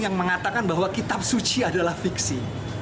yang mengatakan bahwa kitab suci adalah fiksi